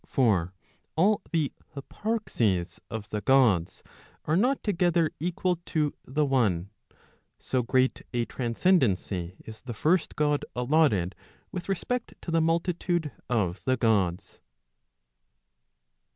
For all the hyparxes of the Gods, are not together equal to the one ; so great a transcendency is the first God allotted with respect to the multitude of the Gods.